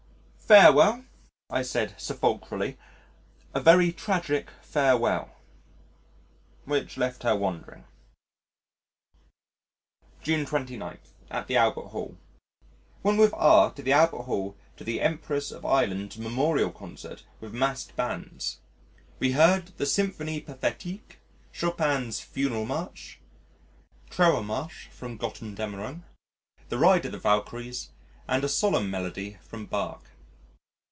"Farewell," I said sepulchrally. "A very tragic farewell," which left her wondering. June 29. At the Albert Hall Went with R to the Albert Hall to the Empress of Ireland Memorial Concert with massed bands. We heard the Symphonie Pathétique, Chopin's Funeral March, Trauermarsch from Götterdammerung, the Ride of the Valkyries and a solemn melody from Bach.